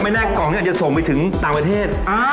แรกกล่องนี้อาจจะส่งไปถึงต่างประเทศ